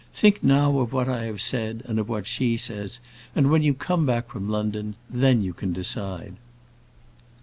Think now of what I have said, and of what she says, and when you come back from London, then you can decide."